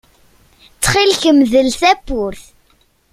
Ttxil-k mdel tawwurt.